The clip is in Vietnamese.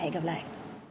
hẹn gặp lại